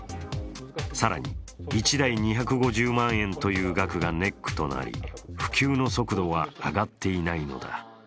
更に１台２５０万円という額がネックとなり普及の速度は上がっていないのだ。